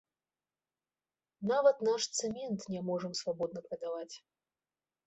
Нават наш цэмент не можам свабодна прадаваць.